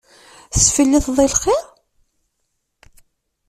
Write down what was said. Tesfilliteḍ i lxir?